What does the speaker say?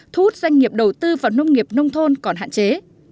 thu hút doanh nghiệp đầu tư vào nông nghiệp nông thôn còn hạn chế